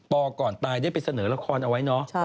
ก่อนตายได้ไปเสนอละครเอาไว้เนอะ